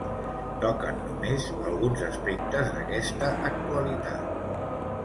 toquen només alguns aspectes d'aquesta actualitat